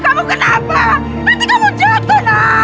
kamu kenapa nanti kamu jatuh